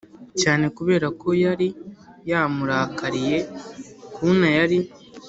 cyane kubera ko yari yamurakariye kuna yari